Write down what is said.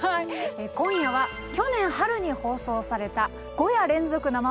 今夜は去年春に放送された「５夜連続生放送春よ、来い！」